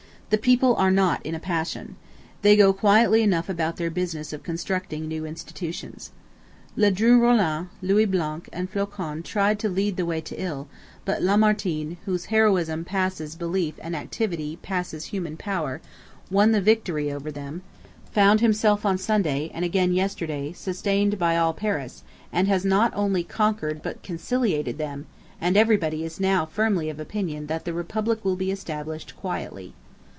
The people are not in a passion. They go quietly enough about their business of constructing new institutions. Ledru Rollin, Louis Blanc, and Flocon tried to lead the way to ill, but Lamartine, whose heroism passes belief and activity passes human power, won the victory over them, found himself on Sunday, and again yesterday, sustained by all Paris, and has not only conquered but conciliated them, and everybody is now firmly of opinion that the Republic will be established quietly."